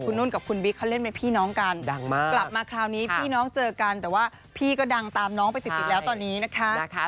นุ่นกับคุณบิ๊กเขาเล่นเป็นพี่น้องกันดังมากกลับมาคราวนี้พี่น้องเจอกันแต่ว่าพี่ก็ดังตามน้องไปติดติดแล้วตอนนี้นะคะ